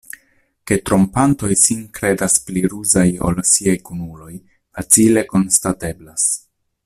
Ke trompantoj sin kredas pli ruzaj ol siaj kunuloj, facile konstateblas.